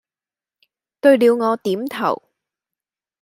對了我點頭，